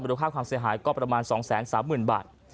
ค่าความเสียหายก็ประมาณ๒๓๐๐๐บาท